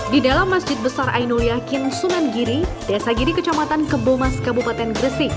di dalam masjid besar ainul yakin sunan giri desa giri kecamatan kebomas kabupaten gresik